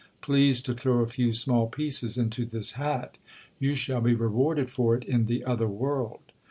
Please to throw a few small pieces into this hat ; you shall be rewarded for it in the other world.